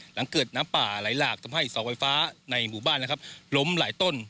หลังเกิดน้ำป่าไหลหลากทำให้เสาไฟฟ้าในหมู่บ้านนะครับล้มหลายต้น